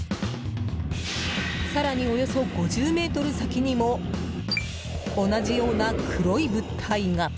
更に、およそ５０ｍ先にも同じような黒い物体が。